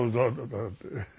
だって。